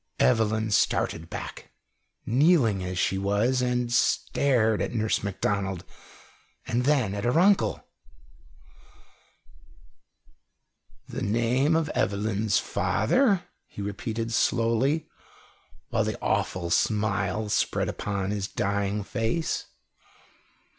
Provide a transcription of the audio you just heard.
Evelyn started back, kneeling as she was, and stared at Nurse Macdonald, and then at her uncle. "The name of Evelyn's father?" he repeated slowly, while the awful smile spread upon his dying face.